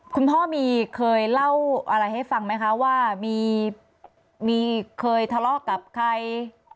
คุณพ่อมีเคยเล่าอะไรให้ฟังไหมคะว่ามีเคยทะเลาะกับใคร